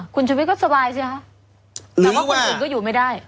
คุณชุวิตก็สบายสิคะแต่ว่าคนอื่นก็อยู่ไม่ได้